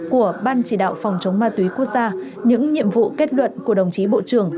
của ban chỉ đạo phòng chống ma túy quốc gia những nhiệm vụ kết luận của đồng chí bộ trưởng